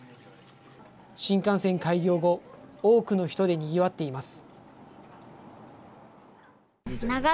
新幹線開業後、多くの人でにぎわっています。